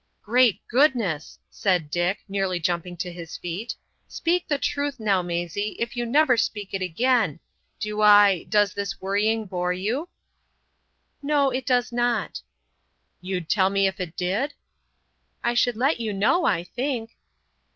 "Great goodness!" said Dick, nearly jumping to his feet. "Speak the truth now, Maisie, if you never speak it again! Do I—does this worrying bore you?" "No. It does not." "You'd tell me if it did?" "I should let you know, I think."